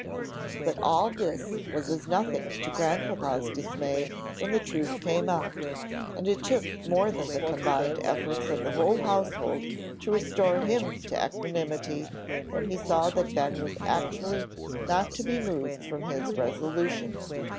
But all this was as nothing to Grandpapa's dismay when the truth came out. And it took more than the combined efforts of the whole household to restore him to equanimity when he saw that Ben was actually not to be moved from his resolution.